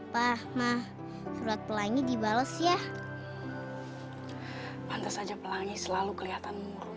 pak mah pelangi dibales ya hai pantes aja pelangi selalu kelihatan murung